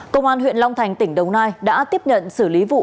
công an huyện long thành tỉnh đồng nai đã tiếp nhận xử lý vụ